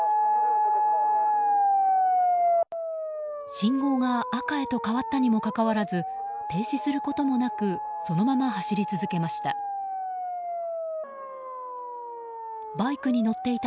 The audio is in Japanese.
信号が赤へと変わったにもかかわらず停止することもなくそのまま走り続けました。